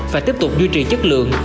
phải tiếp tục duy trì chất lượng